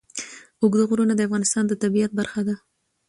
اوږده غرونه د افغانستان د طبیعت برخه ده.